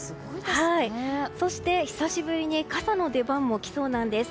そして久しぶりに傘の出番もきそうなんです。